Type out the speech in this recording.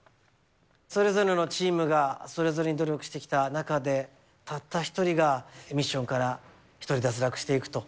それぞれのチームが、それぞれに努力してきた中で、たった一人がミッションから１人、脱落していくと。